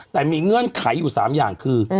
แต่มีเงื่อนไขอยู่๓อย่างคือ